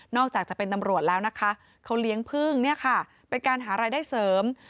จากจะเป็นตำรวจแล้วนะคะเขาเลี้ยงพึ่งเนี่ยค่ะเป็นการหารายได้เสริม